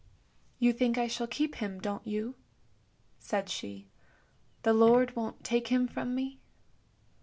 " You think I shall keep him, don't you? " said she. " The Lord won't take him from me?